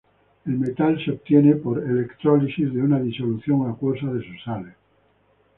El metal se obtiene por electrólisis de una disolución acuosa de sus sales.